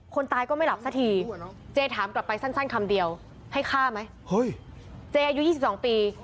คนตายก็ไม่หลับสักทีเจถามกลับไปสั้นคำเดียวให้ฆ่าไหมเจอายุ๒๒ปี